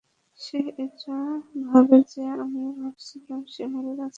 সে এটা ভাবে যে, আমিও ভাবতেছি সে মরে গেছে।